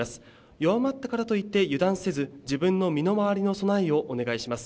弱まったからといって油断せず、自分の身の回りの備えをお願いします。